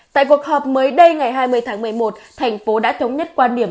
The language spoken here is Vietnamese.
tại cuộc họp mới đây ngày hai mươi tháng một mươi một thành phố đã thống nhất quan điểm